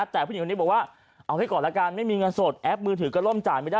แต่ผู้หญิงคนนี้บอกว่าเอาให้ก่อนละกันไม่มีเงินสดแอปมือถือก็ล่มจ่ายไม่ได้